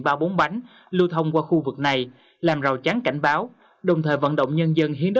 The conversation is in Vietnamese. ba bốn bánh lưu thông qua khu vực này làm rào chắn cảnh báo đồng thời vận động nhân dân hiến